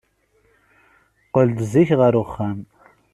Qqel-d zik ɣer uxxam.